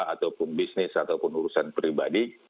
ataupun bisnis ataupun urusan pribadi